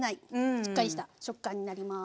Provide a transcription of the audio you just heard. しっかりした食感になります。